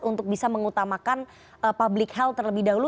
untuk bisa mengutamakan public health terlebih dahulu